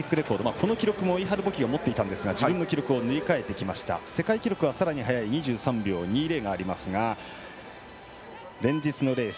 この記録もイハル・ボキが持っていたんですが自分の記録を塗り替えて世界記録はさらに速い２３秒２０がありますが連日のレース